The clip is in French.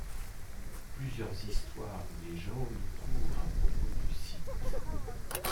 Plusieurs histoires ou légendes courent à propos du site.